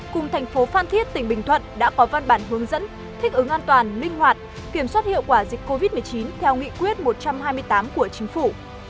cùng thành phố phan thiết tỉnh bình thuận đã có văn bản hướng dẫn thích ứng an toàn linh hoạt kiểm soát hiệu quả dịch covid một mươi chín theo nghị quyết một trăm hai mươi tám của chính phủ